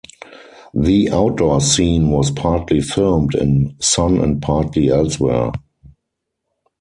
The outdoor scene was partly filmed in Son and partly elsewhere.